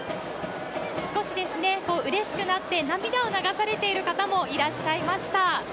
少しうれしくなって、涙を流されている方もいらっしゃいました。